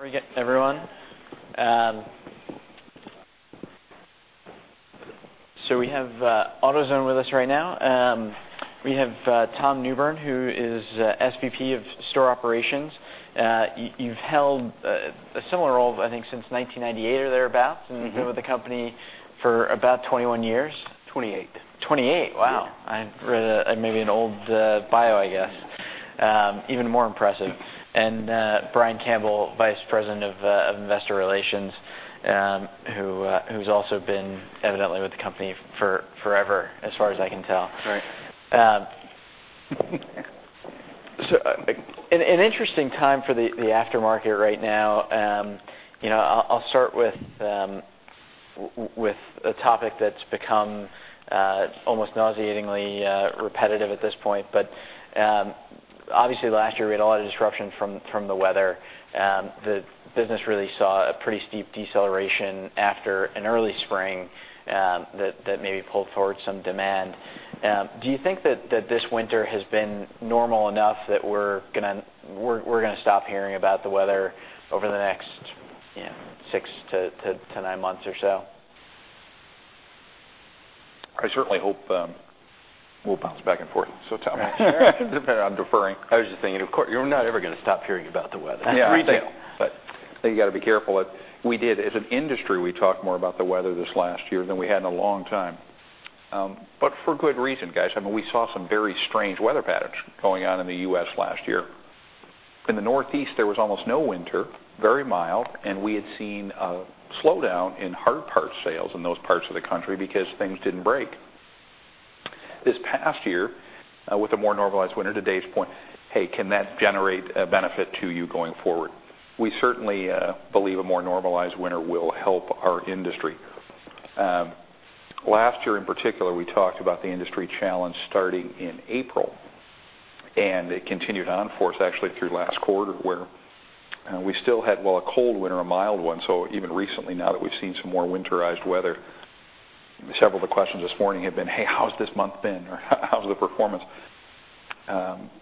Very good, everyone. We have AutoZone with us right now. We have Tom Newbern, who is SVP of Store Operations. You've held a similar role, I think, since 1998 or thereabouts. You've been with the company for about 21 years. 28. 28, wow. Yeah. I read maybe an old bio, I guess. Even more impressive. Brian Campbell, Vice President of Investor Relations, who's also been evidently with the company forever, as far as I can tell. Right. An interesting time for the aftermarket right now. I'll start with a topic that's become almost nauseatingly repetitive at this point, but obviously last year we had a lot of disruption from the weather. The business really saw a pretty steep deceleration after an early spring that maybe pulled forward some demand. Do you think that this winter has been normal enough that we're going to stop hearing about the weather over the next 6-9 months or so? I certainly hope we'll bounce back and forth. Tom, I'm deferring. I was just thinking, of course, you're not ever going to stop hearing about the weather. Yeah. It's retail. I think you've got to be careful. As an industry, we talked more about the weather this last year than we had in a long time. For good reason, guys. I mean, we saw some very strange weather patterns going on in the U.S. last year. In the Northeast, there was almost no winter, very mild, and we had seen a slowdown in hard parts sales in those parts of the country because things didn't break. This past year, with a more normalized winter, to Dave's point, hey, can that generate a benefit to you going forward? We certainly believe a more normalized winter will help our industry. Last year in particular, we talked about the industry challenge starting in April, it continued on for us actually through last quarter, where we still had, well, a cold winter, a mild one. Even recently, now that we've seen some more winterized weather, several of the questions this morning have been, "Hey, how has this month been?" Or, "How's the performance?"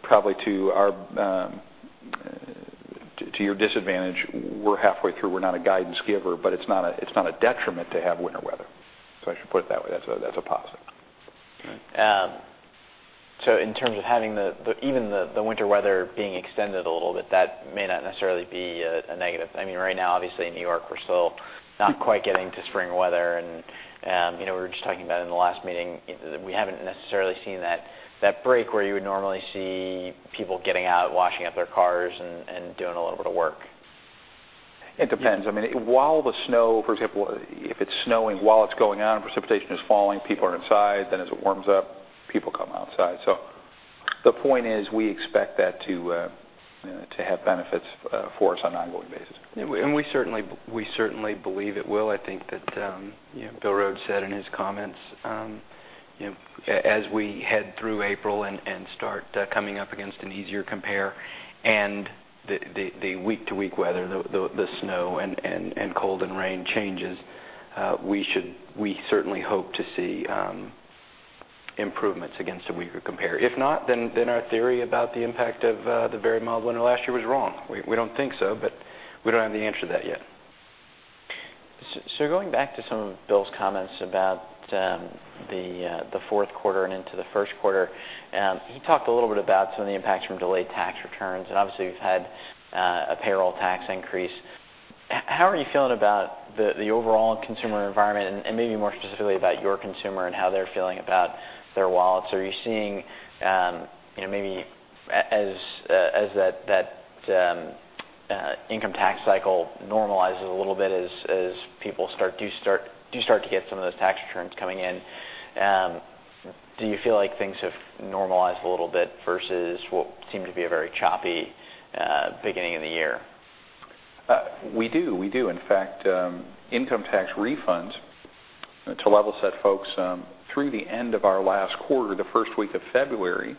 Probably to your disadvantage, we're halfway through. We're not a guidance giver, but it's not a detriment to have winter weather. I should put it that way. That's a positive. Right. In terms of having even the winter weather being extended a little, that may not necessarily be a negative. Right now, obviously, in New York, we're still not quite getting to spring weather, and we were just talking about in the last meeting, we haven't necessarily seen that break where you would normally see people getting out, washing out their cars, and doing a little bit of work. It depends. While the snow, for example, if it's snowing, while it's going on and precipitation is falling, people are inside. As it warms up, people come outside. The point is, we expect that to have benefits for us on an ongoing basis. We certainly believe it will. I think that Bill Rhodes said in his comments as we head through April and start coming up against an easier compare and the week-to-week weather, the snow and cold and rain changes, we certainly hope to see improvements against a weaker compare. If not, our theory about the impact of the very mild winter last year was wrong. We don't think so, but we don't have the answer to that yet. Going back to some of Bill's comments about the fourth quarter and into the first quarter, he talked a little bit about some of the impacts from delayed tax returns, and obviously you've had a payroll tax increase. How are you feeling about the overall consumer environment and maybe more specifically about your consumer and how they're feeling about their wallets? Are you seeing maybe as that income tax cycle normalizes a little bit, as people do start to get some of those tax returns coming in, do you feel like things have normalized a little bit versus what seemed to be a very choppy beginning of the year? We do. In fact, income tax refunds, to level set folks, through the end of our last quarter, the first week of February,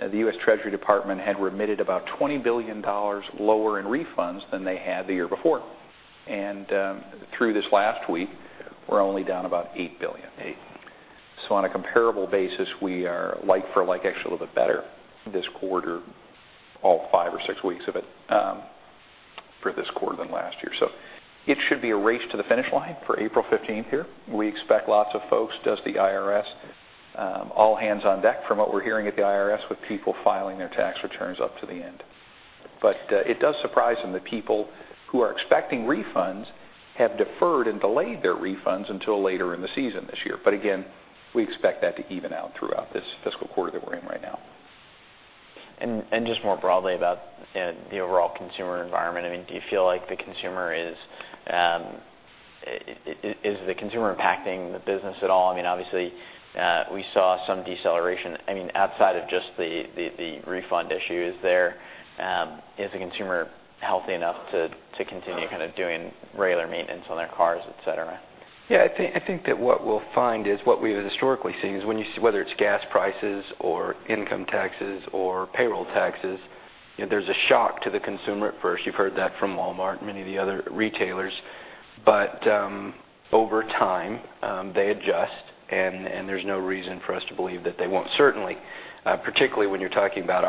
the U.S. Treasury Department had remitted about $20 billion lower in refunds than they had the year before. Through this last week, we're only down about $8 billion. $8 billion. On a comparable basis, we are like for like actually a little bit better this quarter, all 5 or 6 weeks of it, for this quarter than last year. It should be a race to the finish line for April 15th here. We expect lots of folks, does the IRS, all hands on deck from what we're hearing at the IRS with people filing their tax returns up to the end. It does surprise them that people who are expecting refunds have deferred and delayed their refunds until later in the season this year. Again, we expect that to even out throughout this fiscal quarter that we're in right now. Just more broadly about the overall consumer environment, do you feel like the consumer is impacting the business at all? Obviously, we saw some deceleration. Outside of just the refund issues there, is the consumer healthy enough to continue doing regular maintenance on their cars, et cetera? Yeah, I think that what we'll find is what we have historically seen is whether it's gas prices or income taxes or payroll taxes, there's a shock to the consumer at first. You've heard that from Walmart and many of the other retailers. Over time, they adjust, and there's no reason for us to believe that they won't. Certainly, particularly when you're talking about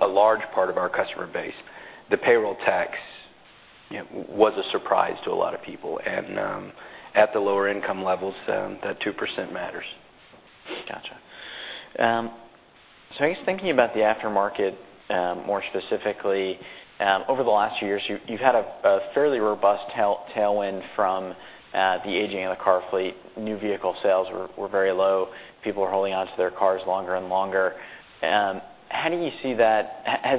a large part of our customer base, the payroll tax was a surprise to a lot of people, and at the lower income levels, that 2% matters. Got you. I guess thinking about the aftermarket more specifically, over the last few years, you've had a fairly robust tailwind from the aging of the car fleet. New vehicle sales were very low. People are holding onto their cars longer and longer. Has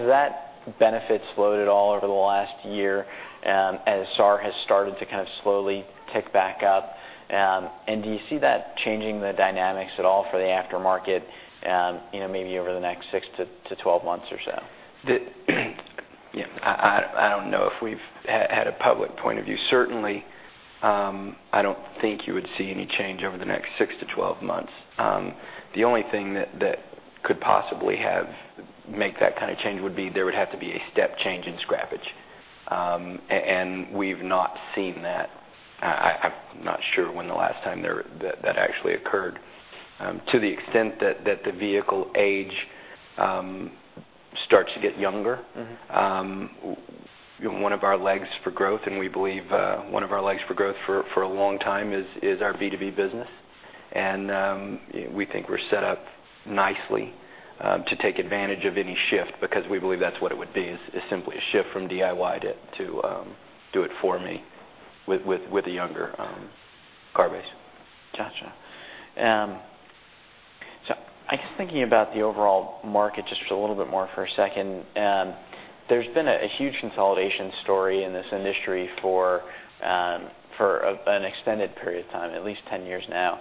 that benefit slowed at all over the last year as SAR has started to slowly tick back up? Do you see that changing the dynamics at all for the aftermarket maybe over the next 6 to 12 months or so? I don't know if we've had a public point of view. Certainly, I don't think you would see any change over the next 6 to 12 months. The only thing that could possibly make that kind of change would be there would have to be a step change in scrappage, and we've not seen that. I'm not sure when the last time that actually occurred. To the extent that the vehicle age starts to get younger. One of our legs for growth, we believe one of our legs for growth for a long time is our B2B business. We think we're set up nicely to take advantage of any shift because we believe that's what it would be, is simply a shift from DIY to do it for me with a younger car base. Got you. I guess thinking about the overall market just a little bit more for a second, there's been a huge consolidation story in this industry for an extended period of time, at least 10 years now.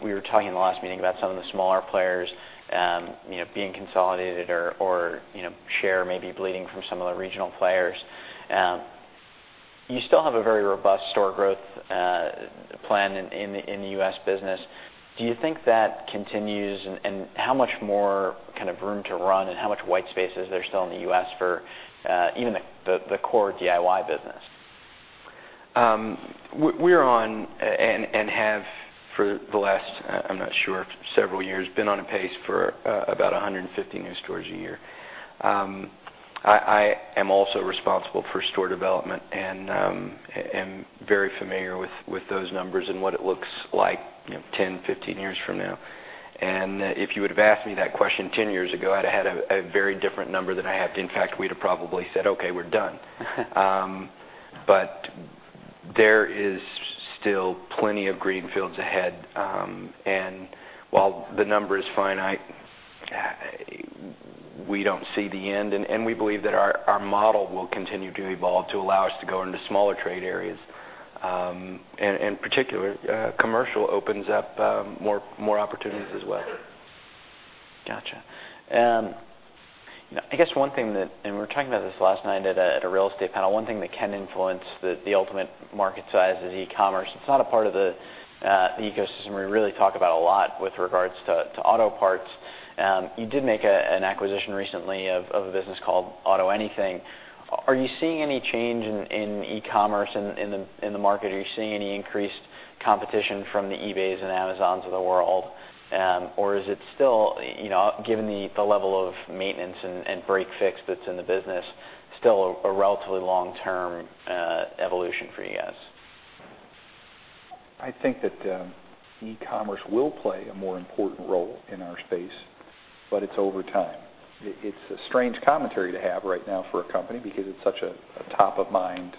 We were talking in the last meeting about some of the smaller players being consolidated or share maybe bleeding from some of the regional players. You still have a very robust store growth plan in the U.S. business. Do you think that continues, and how much more room to run, and how much white space is there still in the U.S. for even the core DIY business? We're on, and have for the last, I'm not sure, several years, been on a pace for about 150 new stores a year. I am also responsible for store development and am very familiar with those numbers and what it looks like 10, 15 years from now. If you would've asked me that question 10 years ago, I'd have had a very different number than I have. In fact, we'd have probably said, "Okay, we're done." There is still plenty of green fields ahead. While the number is finite, we don't see the end, and we believe that our model will continue to evolve to allow us to go into smaller trade areas. In particular, commercial opens up more opportunities as well. Got you. I guess one thing that, and we were talking about this last night at a real estate panel, one thing that can influence the ultimate market size is e-commerce. It's not a part of the ecosystem we really talk about a lot with regards to auto parts. You did make an acquisition recently of a business called AutoAnything. Are you seeing any change in e-commerce in the market? Are you seeing any increased competition from the eBay and Amazon of the world? Is it still, given the level of maintenance and break-fix that's in the business, still a relatively long-term evolution for you guys? I think that e-commerce will play a more important role in our space, but it's over time. It's a strange commentary to have right now for a company because it's such a top-of-mind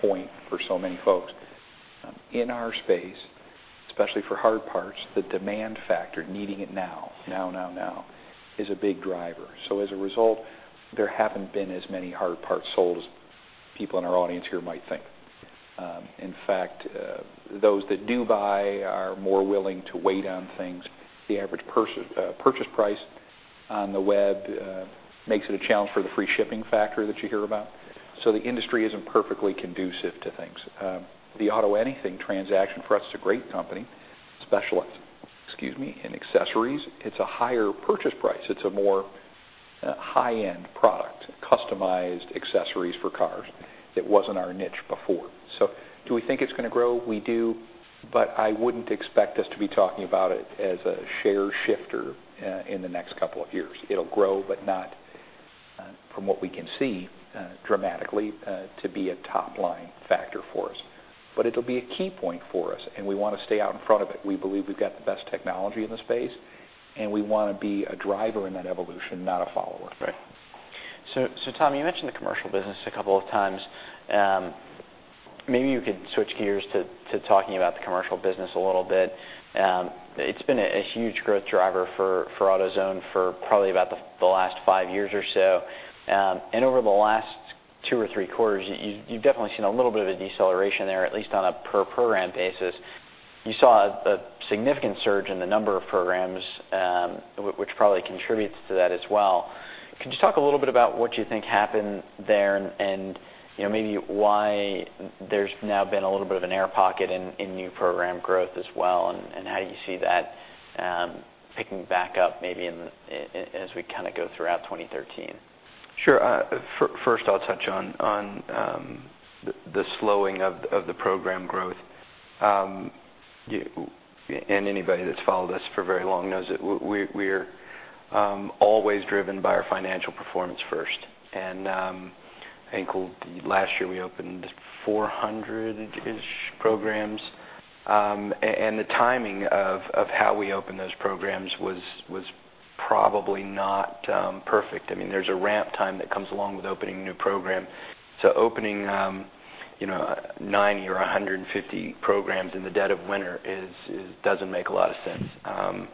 point for so many folks. In our space, especially for hard parts, the demand factor, needing it now, now, is a big driver. As a result, there haven't been as many hard parts sold as people in our audience here might think. In fact, those that do buy are more willing to wait on things. The average purchase price on the web makes it a challenge for the free shipping factor that you hear about. The industry isn't perfectly conducive to things. The AutoAnything transaction for us is a great company, specialized, excuse me, in accessories. It's a higher purchase price. It's a more high-end product, customized accessories for cars. It wasn't our niche before. Do we think it's going to grow? We do, but I wouldn't expect us to be talking about it as a share shifter in the next couple of years. It'll grow, but not, from what we can see, dramatically to be a top-line factor for us. It'll be a key point for us, and we want to stay out in front of it. We believe we've got the best technology in the space, and we want to be a driver in that evolution, not a follower. Right. Tom, you mentioned the commercial business a couple of times. Maybe you could switch gears to talking about the commercial business a little bit. It's been a huge growth driver for AutoZone for probably about the last five years or so. Over the last two or three quarters, you've definitely seen a little bit of a deceleration there, at least on a per program basis. You saw a significant surge in the number of programs, which probably contributes to that as well. Could you talk a little bit about what you think happened there and maybe why there's now been a little bit of an air pocket in new program growth as well, and how you see that And picking back up maybe as we kind of go throughout 2013. Sure. First, I'll touch on the slowing of the program growth. Anybody that's followed us for very long knows that we're always driven by our financial performance first. I think last year we opened 400-ish programs, and the timing of how we opened those programs was probably not perfect. There's a ramp time that comes along with opening a new program. Opening 90 or 150 programs in the dead of winter doesn't make a lot of sense.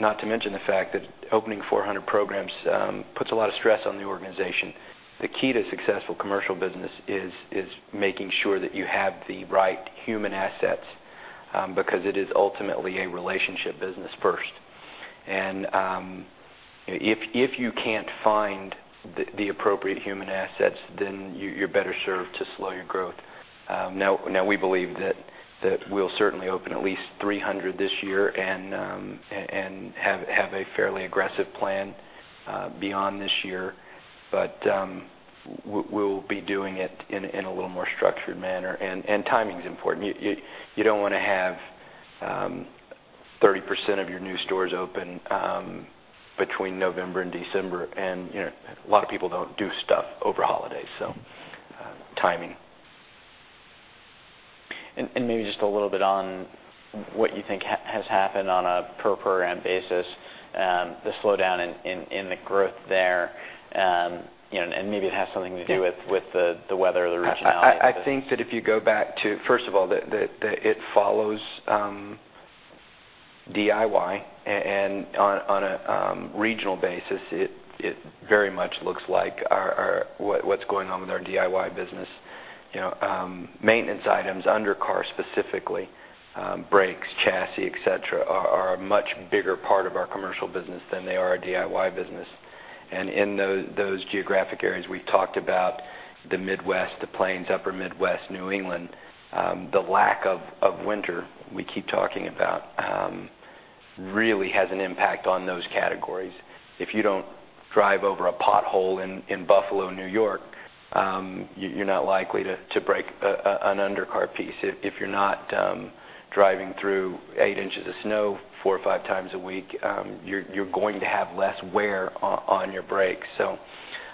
Not to mention the fact that opening 400 programs puts a lot of stress on the organization. The key to successful commercial business is making sure that you have the right human assets, because it is ultimately a relationship business first. If you can't find the appropriate human assets, then you're better served to slow your growth. Now, we believe that we'll certainly open at least 300 this year and have a fairly aggressive plan beyond this year. We'll be doing it in a little more structured manner. Timing's important. You don't want to have 30% of your new stores open between November and December. A lot of people don't do stuff over holidays, so timing. Maybe just a little bit on what you think has happened on a per program basis, the slowdown in the growth there. Maybe it has something to do with the weather or the regionality of it. I think that if you go back to, first of all, that it follows DIY, and on a regional basis, it very much looks like what's going on with our DIY business. Maintenance items, under-car specifically, brakes, chassis, et cetera, are a much bigger part of our commercial business than they are our DIY business. In those geographic areas, we've talked about the Midwest, the Plains, Upper Midwest, New England. The lack of winter we keep talking about really has an impact on those categories. If you don't drive over a pothole in Buffalo, N.Y., you're not likely to break an under-car piece. If you're not driving through eight inches of snow four or five times a week, you're going to have less wear on your brakes.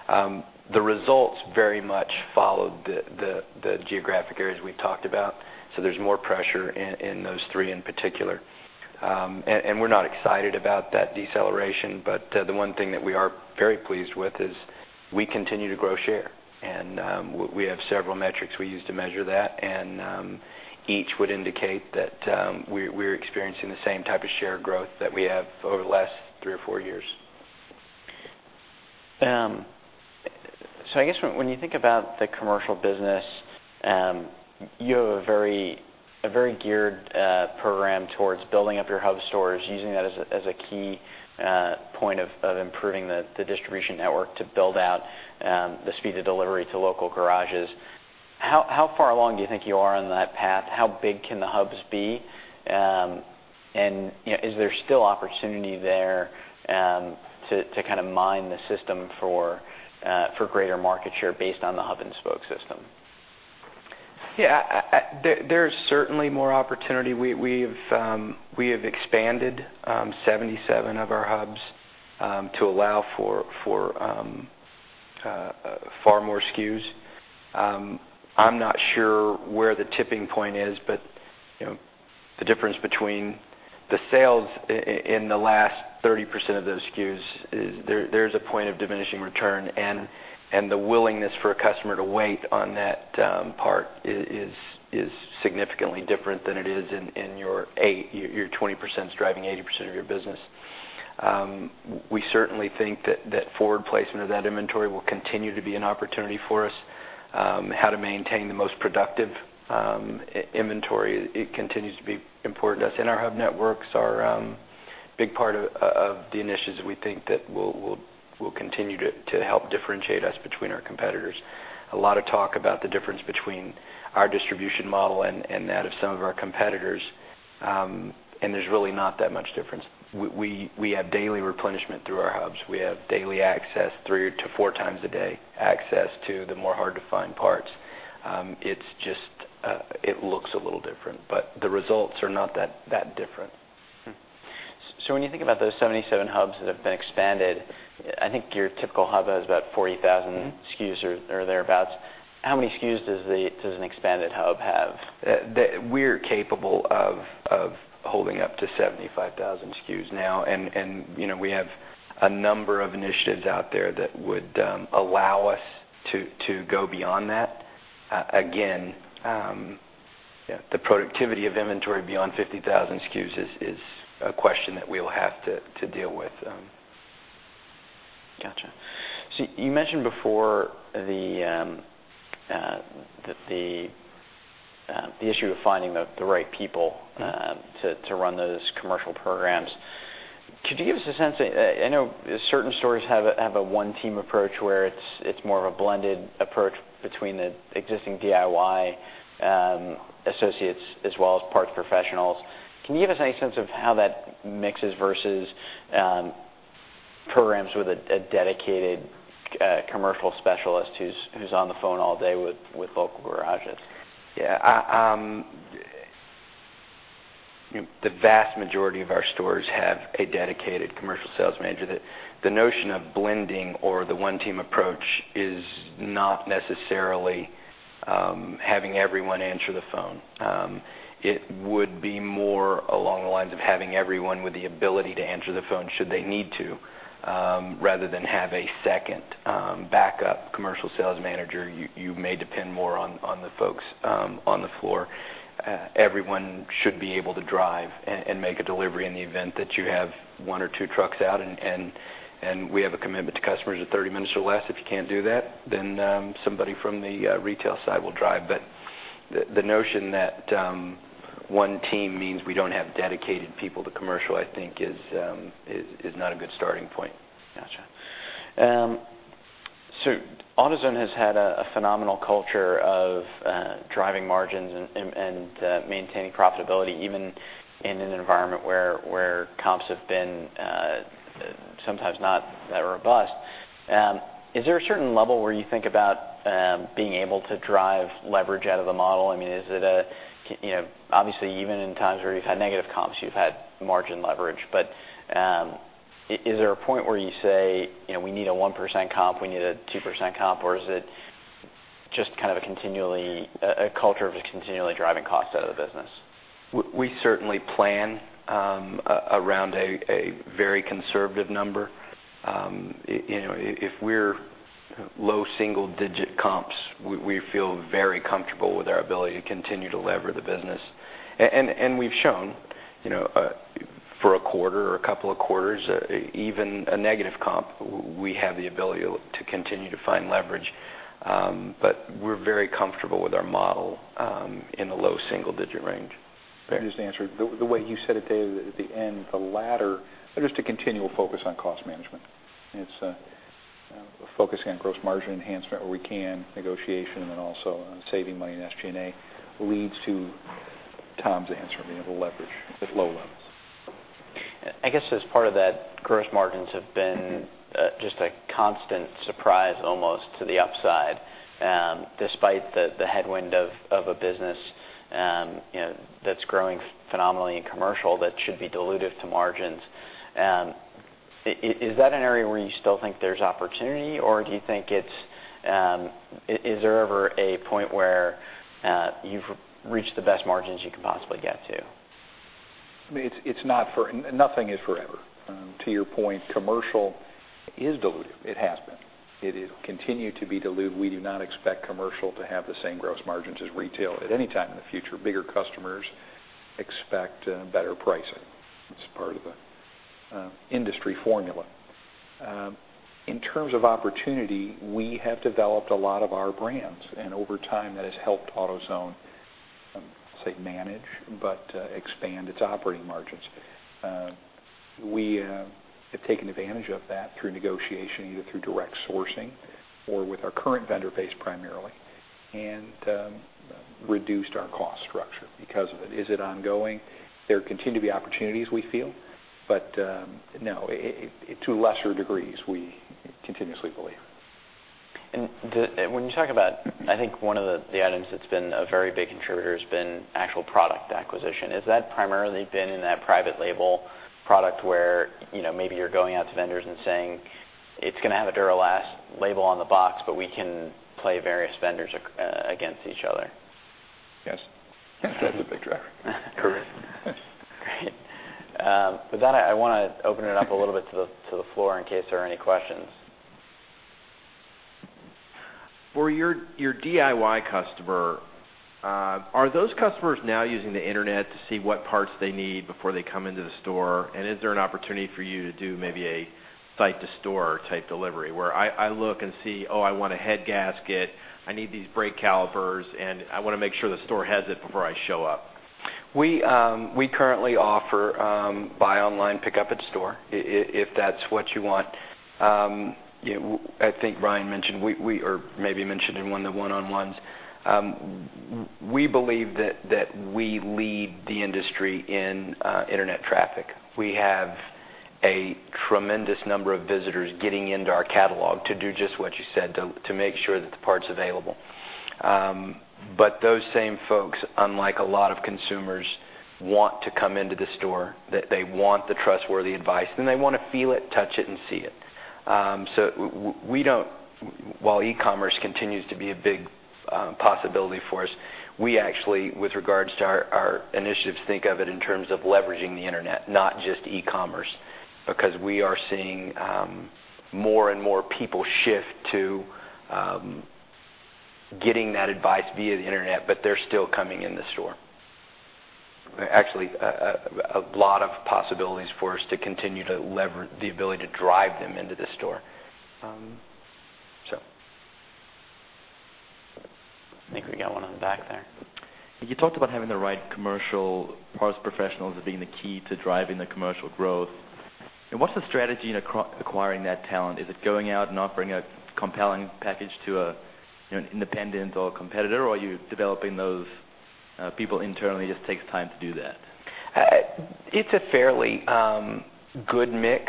The results very much follow the geographic areas we've talked about, so there's more pressure in those three in particular. We're not excited about that deceleration, the one thing that we are very pleased with is we continue to grow share, and we have several metrics we use to measure that, and each would indicate that we're experiencing the same type of share growth that we have over the last three or four years. I guess when you think about the commercial business, you have a very geared program towards building up your hub stores, using that as a key point of improving the distribution network to build out the speed of delivery to local garages. How far along do you think you are on that path? How big can the hubs be? Is there still opportunity there to kind of mine the system for greater market share based on the hub-and-spoke system? There's certainly more opportunity. We have expanded 77 of our hubs to allow for far more SKUs. I'm not sure where the tipping point is, the difference between the sales in the last 30% of those SKUs, there's a point of diminishing return, the willingness for a customer to wait on that part is significantly different than it is in your 20% is driving 80% of your business. We certainly think that forward placement of that inventory will continue to be an opportunity for us. How to maintain the most productive inventory, it continues to be important to us, our hub networks are a big part of the initiatives we think that will continue to help differentiate us between our competitors. A lot of talk about the difference between our distribution model and that of some of our competitors, there's really not that much difference. We have daily replenishment through our hubs. We have daily access, three to four times a day access, to the more hard-to-find parts. It looks a little different, the results are not that different. When you think about those 77 hubs that have been expanded, I think your typical hub has about 40,000 SKUs or thereabouts. How many SKUs does an expanded hub have? We're capable of holding up to 75,000 SKUs now, and we have a number of initiatives out there that would allow us to go beyond that. The productivity of inventory beyond 50,000 SKUs is a question that we will have to deal with. Got you. You mentioned before the issue of finding the right people to run those commercial programs. Could you give us a sense, I know certain stores have a one-team approach where it's more of a blended approach between the existing DIY associates as well as parts professionals. Can you give us any sense of how that mixes versus programs with a dedicated commercial specialist who's on the phone all day with local garages? Yeah. The vast majority of our stores have a dedicated commercial sales manager. The notion of blending or the one-team approach is not necessarily having everyone answer the phone. It would be more along the lines of having everyone with the ability to answer the phone should they need to, rather than have a second backup commercial sales manager. You may depend more on the folks on the floor. Everyone should be able to drive and make a delivery in the event that you have one or two trucks out, and we have a commitment to customers of 30 minutes or less. If you can't do that, somebody from the retail side will drive. The notion that one team means we don't have dedicated people to commercial, I think is not a good starting point. Got you. AutoZone has had a phenomenal culture of driving margins and maintaining profitability, even in an environment where comps have been sometimes not that robust. Is there a certain level where you think about being able to drive leverage out of the model? Obviously, even in times where you've had negative comps, you've had margin leverage, is there a point where you say, "We need a 1% comp, we need a 2% comp," or is it just a culture of continually driving costs out of the business? We certainly plan around a very conservative number. If we're low single-digit comps, we feel very comfortable with our ability to continue to lever the business, we've shown, for a quarter or a couple of quarters, even a negative comp, we have the ability to continue to find leverage. We're very comfortable with our model in the low single-digit range. Just to answer, the way you said it, David, at the end, the latter, just a continual focus on cost management. It's focusing on gross margin enhancement where we can, negotiation, and also on saving money in SG&A, leads to Tom's answer, being able to leverage at low levels. I guess as part of that, gross margins have been just a constant surprise almost to the upside, despite the headwind of a business that's growing phenomenally in commercial that should be dilutive to margins. Is that an area where you still think there's opportunity, or is there ever a point where you've reached the best margins you can possibly get to? Nothing is forever. To your point, commercial is dilutive. It has been. It'll continue to be dilutive. We do not expect commercial to have the same gross margins as retail at any time in the future. Bigger customers expect better pricing. It's part of the industry formula. In terms of opportunity, we have developed a lot of our brands, and over time, that has helped AutoZone, I won't say manage, but expand its operating margins. We have taken advantage of that through negotiation, either through direct sourcing or with our current vendor base primarily, and reduced our cost structure because of it. Is it ongoing? There continue to be opportunities, we feel, but no, to lesser degrees, we continuously believe. When you talk about, I think one of the items that's been a very big contributor has been actual product acquisition. Has that primarily been in that private label product where maybe you're going out to vendors and saying, "It's going to have a Duralast label on the box, but we can play various vendors against each other? Yes. That's a big driver. Correct. Great. With that, I want to open it up a little bit to the floor in case there are any questions. For your DIY customer, are those customers now using the internet to see what parts they need before they come into the store? Is there an opportunity for you to do maybe a ship-to-store type delivery where I look and see, "Oh, I want a head gasket. I need these brake calipers, and I want to make sure the store has it before I show up. We currently offer buy online, pickup in store, if that's what you want. I think Ryan mentioned, or maybe mentioned in one of the one-on-ones, we believe that we lead the industry in internet traffic. We have a tremendous number of visitors getting into our catalog to do just what you said, to make sure that the part's available. Those same folks, unlike a lot of consumers, want to come into the store, that they want the trustworthy advice, and they want to feel it, touch it, and see it. While e-commerce continues to be a big possibility for us, we actually, with regards to our initiatives, think of it in terms of leveraging the internet, not just e-commerce, because we are seeing more and more people shift to getting that advice via the internet, but they're still coming in the store. Actually, a lot of possibilities for us to continue to lever the ability to drive them into the store. We got one in the back there. You talked about having the right commercial parts professionals as being the key to driving the commercial growth. What's the strategy in acquiring that talent? Is it going out and offering a compelling package to an independent or competitor, or are you developing those people internally, it just takes time to do that? It's a fairly good mix.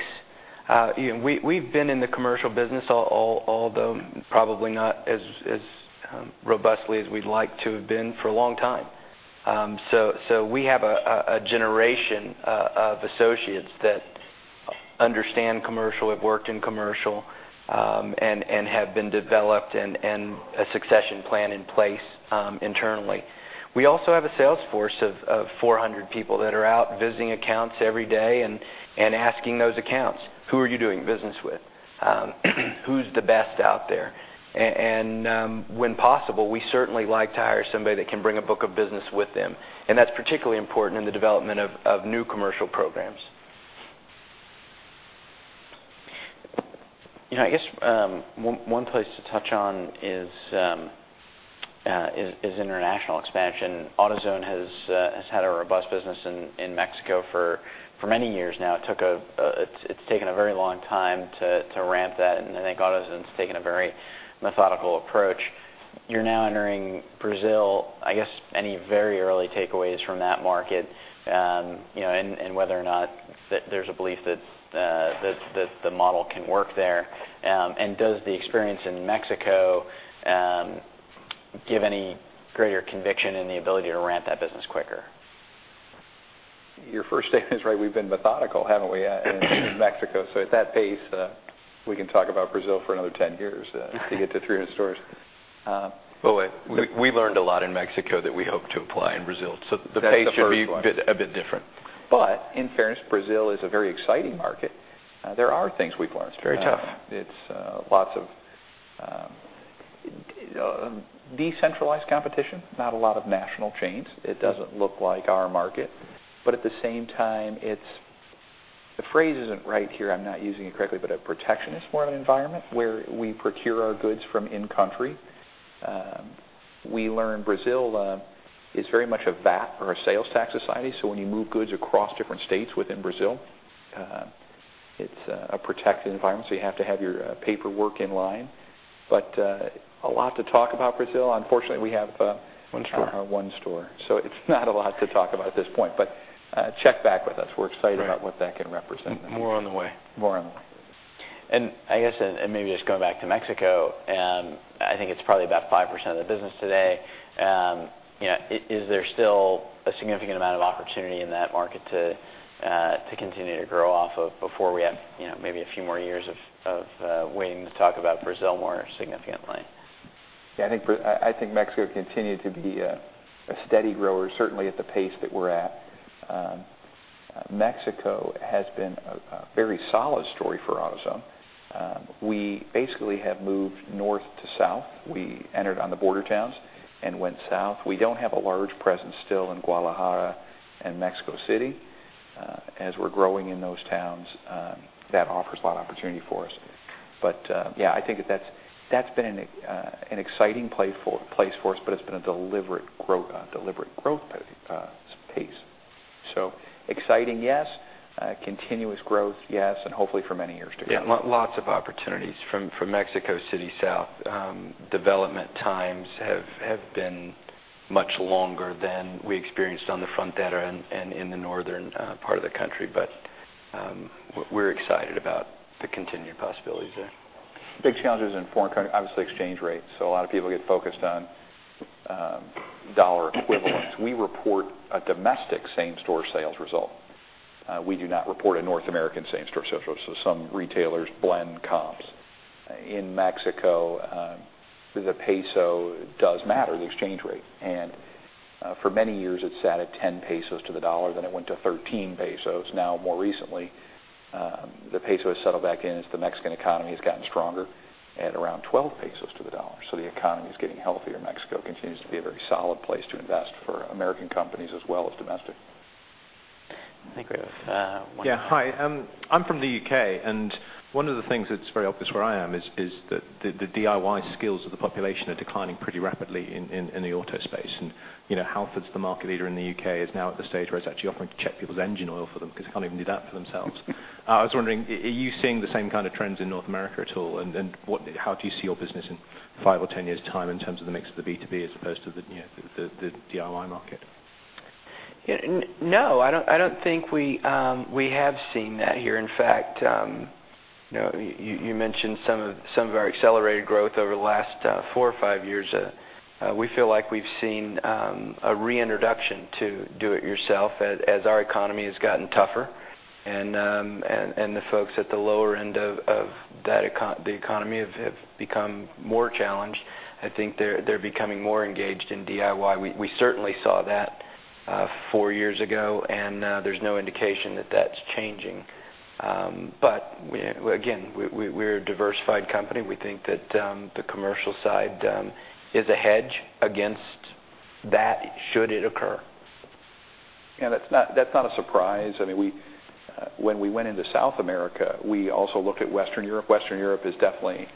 We've been in the commercial business, although probably not as robustly as we'd like to have been, for a long time. We have a generation of associates that understand commercial, have worked in commercial, and have been developed and a succession plan in place internally. We also have a sales force of 400 people that are out visiting accounts every day and asking those accounts, "Who are you doing business with? Who's the best out there?" When possible, we certainly like to hire somebody that can bring a book of business with them, and that's particularly important in the development of new commercial programs. I guess one place to touch on is international expansion. AutoZone has had a robust business in Mexico for many years now. It's taken a very long time to ramp that, and I think AutoZone's taken a very methodical approach. You're now entering Brazil. I guess, any very early takeaways from that market, and whether or not there's a belief that the model can work there. Does the experience in Mexico give any greater conviction in the ability to ramp that business quicker? Your first statement is right. We've been methodical, haven't we, in Mexico? At that pace, we can talk about Brazil for another 10 years to get to 300 stores. Wait, we learned a lot in Mexico that we hope to apply in Brazil, the pace should be- That's the first one A bit different. In fairness, Brazil is a very exciting market. There are things we've learned. It's very tough. It's lots of decentralized competition, not a lot of national chains. It doesn't look like our market. At the same time, the phrase isn't right here, I'm not using it correctly, a protectionist environment where we procure our goods from in-country. We learned Brazil is very much a VAT or a sales tax society, so when you move goods across different states within Brazil, it's a protected environment, so you have to have your paperwork in line. A lot to talk about Brazil. Unfortunately. One store. One store. It's not a lot to talk about at this point. Check back with us. We're excited. Right About what that can represent. More on the way. More on the way. I guess, and maybe just going back to Mexico, I think it's probably about 5% of the business today. Is there still a significant amount of opportunity in that market to continue to grow off of before we have maybe a few more years of waiting to talk about Brazil more significantly? I think Mexico continued to be a steady grower, certainly at the pace that we're at. Mexico has been a very solid story for AutoZone. We basically have moved north to south. We entered on the border towns and went south. We don't have a large presence still in Guadalajara and Mexico City. As we're growing in those towns, that offers a lot of opportunity for us. Yeah, I think that's been an exciting place for us, but it's been a deliberate growth pace. Exciting, yes. Continuous growth, yes, and hopefully for many years to come. Lots of opportunities from Mexico City south. Development times have been much longer than we experienced on the Frontera and in the northern part of the country. We're excited about the continued possibilities there. Big challenges in foreign countries, obviously exchange rates. A lot of people get focused on dollar equivalents. We report a domestic same-store sales result. We do not report a North American same-store sales result, some retailers blend comps. In Mexico, the peso does matter, the exchange rate. For many years it sat at 10 pesos to the dollar, then it went to 13 pesos. Now more recently, the peso has settled back in as the Mexican economy has gotten stronger at around 12 pesos to the dollar. The economy is getting healthier. Mexico continues to be a very solid place to invest for American companies as well as domestic. I think we have one- Yeah, hi. I'm from the U.K., and one of the things that's very obvious where I am is that the DIY skills of the population are declining pretty rapidly in the auto space. Halfords, the market leader in the U.K., is now at the stage where it's actually offering to check people's engine oil for them because they can't even do that for themselves. I was wondering, are you seeing the same kind of trends in North America at all? How do you see your business in five or 10 years' time in terms of the mix of the B2B as opposed to the DIY market? No, I don't think we have seen that here. In fact, you mentioned some of our accelerated growth over the last four or five years. We feel like we've seen a reintroduction to do it yourself as our economy has gotten tougher and the folks at the lower end of the economy have become more challenged. I think they're becoming more engaged in DIY. We certainly saw that four years ago, there's no indication that that's changing. Again, we're a diversified company. We think that the commercial side is a hedge against that should it occur. Yeah, that's not a surprise. When we went into South America, we also looked at Western Europe. Western Europe is definitely,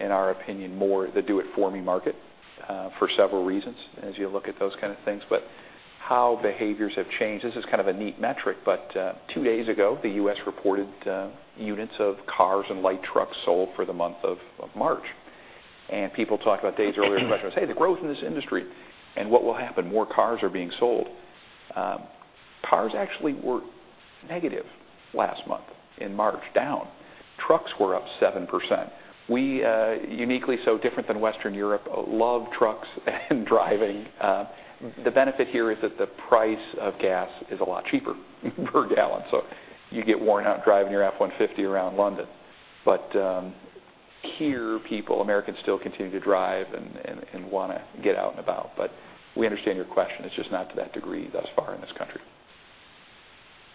in our opinion, more the do-it-for-me market for several reasons, as you look at those kind of things. How behaviors have changed, this is kind of a neat metric, but two days ago, the U.S. reported units of cars and light trucks sold for the month of March. People talked about days earlier, about, hey, the growth in this industry, and what will happen, more cars are being sold. Cars actually were negative last month, in March, down. Trucks were up 7%. We, uniquely so different than Western Europe, love trucks and driving. The benefit here is that the price of gas is a lot cheaper per gallon. You get worn out driving your F-150 around London. Here, people, Americans still continue to drive and want to get out and about. We understand your question. It's just not to that degree thus far in this country.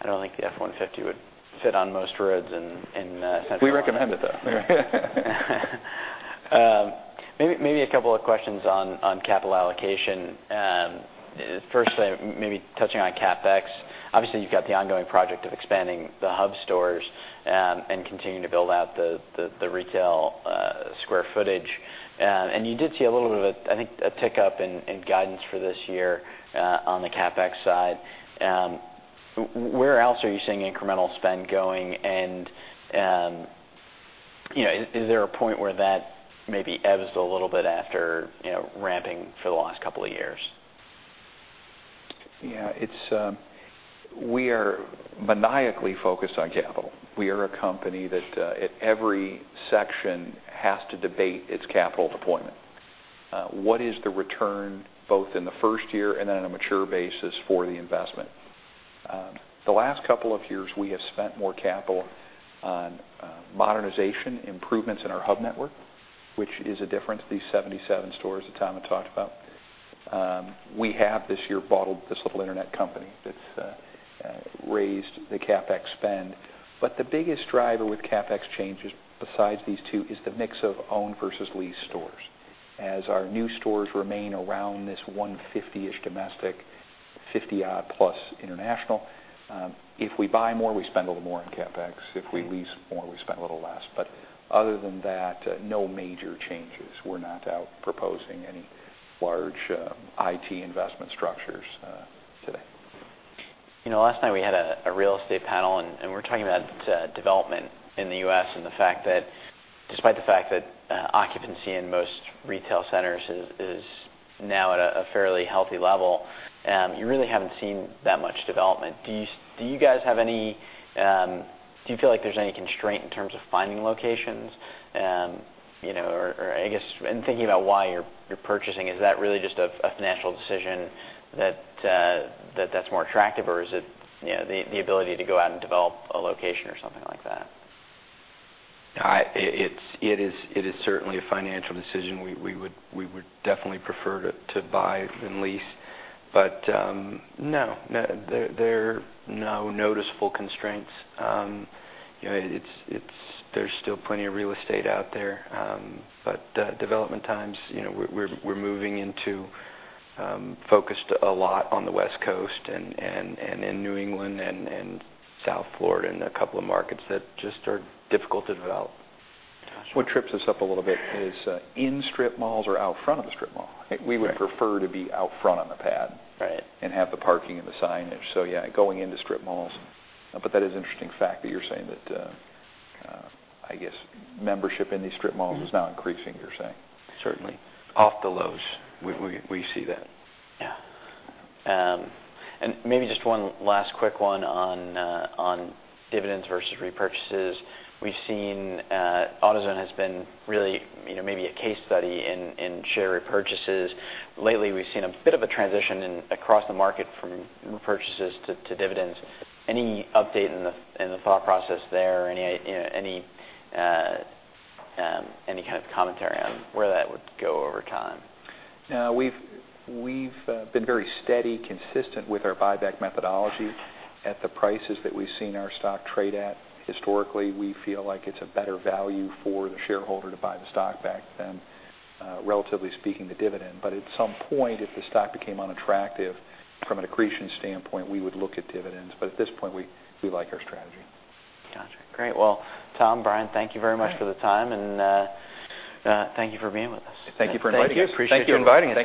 I don't think the F-150 would fit on most roads in Central Europe. We recommend it, though. Maybe a couple of questions on capital allocation. Firstly, maybe touching on CapEx. Obviously, you've got the ongoing project of expanding the hub stores and continuing to build out the retail square footage. You did see a little bit of, I think, a pickup in guidance for this year on the CapEx side. Where else are you seeing incremental spend going? Is there a point where that maybe ebbs a little bit after ramping for the last couple of years? Yeah. We are maniacally focused on capital. We are a company that, at every section, has to debate its capital deployment. What is the return, both in the first year and then on a mature basis for the investment? The last couple of years, we have spent more capital on modernization improvements in our hub network, which is a difference, these 77 stores that Tom had talked about. We have, this year, bought this little internet company that's raised the CapEx spend. The biggest driver with CapEx changes, besides these two, is the mix of owned versus leased stores, as our new stores remain around this 150-ish domestic, 50-odd-plus international. If we buy more, we spend a little more on CapEx. If we lease more, we spend a little less. Other than that, no major changes. We're not out proposing any large IT investment structures today. Last night, we had a real estate panel, and we were talking about development in the U.S. and the fact that despite the fact that occupancy in most retail centers is now at a fairly healthy level, you really haven't seen that much development. Do you feel like there's any constraint in terms of finding locations? I guess, in thinking about why you're purchasing, is that really just a financial decision that's more attractive, or is it the ability to go out and develop a location or something like that? It is certainly a financial decision. We would definitely prefer to buy than lease. No, there are no noticeable constraints. There's still plenty of real estate out there. Development times, we're moving into focused a lot on the West Coast and in New England and South Florida and a couple of markets that just are difficult to develop. What trips us up a little bit is in strip malls or out front of the strip mall. We would prefer to be out front on the pad. Right. Have the parking and the signage. Yeah, going into strip malls. That is an interesting fact that you're saying that, I guess membership in these strip malls is now increasing, you're saying. Certainly. Off the lows, we see that. Yeah. Maybe just one last quick one on dividends versus repurchases. We've seen AutoZone has been really maybe a case study in share repurchases. Lately, we've seen a bit of a transition across the market from repurchases to dividends. Any update in the thought process there? Any kind of commentary on where that would go over time? We've been very steady, consistent with our buyback methodology. At the prices that we've seen our stock trade at historically, we feel like it's a better value for the shareholder to buy the stock back than, relatively speaking, the dividend. At some point, if the stock became unattractive from an accretion standpoint, we would look at dividends. At this point, we like our strategy. Got you. Great. Well, Tom, Brian, thank you very much for the time, and thank you for being with us. Thank you for inviting us. Thank you. Appreciate your time. Thank you for inviting us.